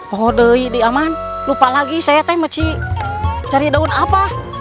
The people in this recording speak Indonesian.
oh deh ini aman lupa lagi saya teh mau cari daun apa